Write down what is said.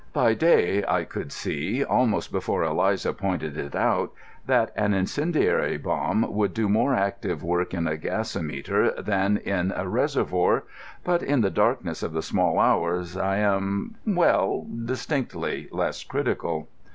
By day I could see, almost before Eliza pointed it out, that an incendiary bomb would do more active work in a gasometer than in a reservoir. But in the darkness of the small hours I am—well, distinctly less critical.